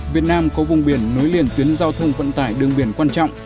việt nam có vùng biển nối liền tuyến giao thông vận tải đường biển quan trọng